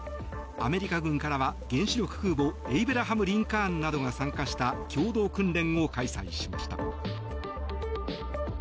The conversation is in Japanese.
アメリカ軍からは原子力空母「エイブラハム・リンカーン」などが参加した共同訓練を開催しました。